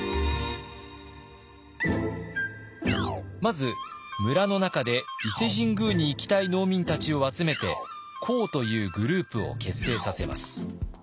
まず村の中で伊勢神宮に行きたい農民たちを集めて講というグループを結成させます。